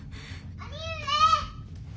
・兄上！